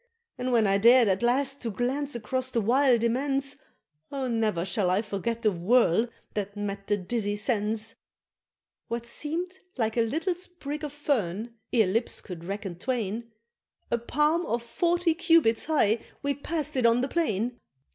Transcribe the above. And when I dared at last to glance across the wild immense, Oh ne'er shall I forget the whirl that met the dizzy sense! What seem'd a little sprig of fern, ere lips could reckon twain, A palm of forty cubits high, we passed it on the plain!